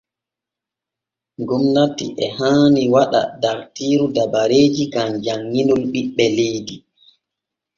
Gomnati e haani waɗa dartiiru dabareeji gam janŋinol ɓiɓɓe leydi.